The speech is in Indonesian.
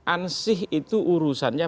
ansih itu urusannya